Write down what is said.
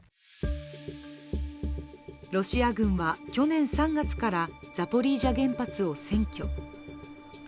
ロシア軍は去年３月からザポリージャ原発を占拠。